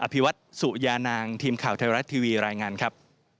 ภิวัตสุยานางทีมข่าวไทยรัฐทีวีรายงานครับ